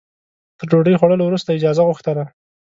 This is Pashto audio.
تر ډوډۍ خوړلو وروسته اجازه غوښتله.